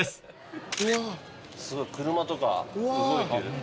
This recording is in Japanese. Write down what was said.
すごい車とか動いてる。